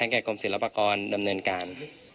แก่กรมศิลปากรดำเนินการ